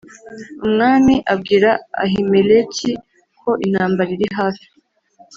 Umwami abwira Ahimeleki ko intambara irihafi